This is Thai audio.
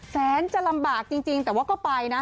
แสนจะลำบากจริงแต่ว่าก็ไปนะ